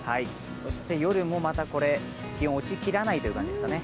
そして夜もまた気温が落ちきらないということですかね。